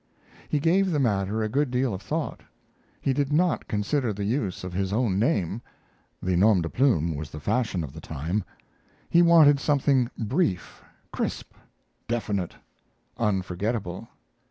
He gave the matter a good deal of thought. He did not consider the use of his own name; the 'nom de plume' was the fashion of the time. He wanted something brief, crisp, definite, unforgettable.